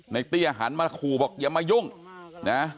เตี้ยหันมาขู่บอกอย่ามายุ่งนะ